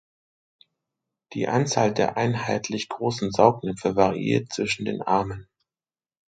Die Anzahl der einheitlich großen Saugnäpfe variiert zwischen den Armen.